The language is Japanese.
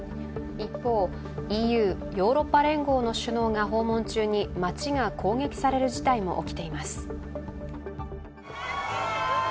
一方、ＥＵ＝ヨーロッパ連合の首脳が訪問中に街が攻撃される事態も起きています。